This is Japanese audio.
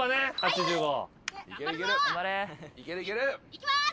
いきます！